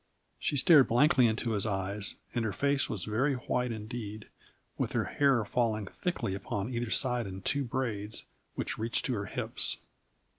She stared blankly into his eyes, and her face was very white indeed, with her hair falling thickly upon either side in two braids which reached to her hips.